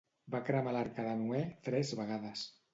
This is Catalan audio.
Va cremar l'Arca de Noè tres vegades.